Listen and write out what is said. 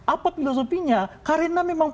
apa filosofinya karena memang